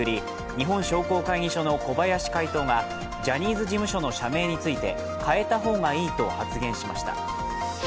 日本商工会議所の小林会頭がジャニーズ事務所の社名について変えた方がいいと発言しました。